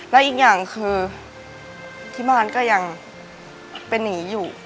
และอีกอย่างคือที่บ้านก็ยังไปหนีอยู่